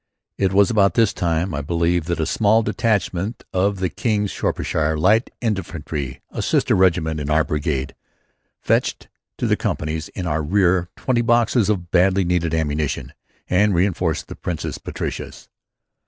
It was about this time, I believe, that a small detachment of the King's Shropshire Light Infantry, a sister regiment in our brigade, fetched to the companies in our rear twenty boxes of badly needed ammunition and reënforced the Princess Patricias.